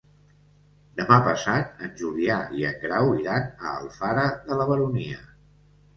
Demà passat en Julià i en Grau iran a Alfara de la Baronia.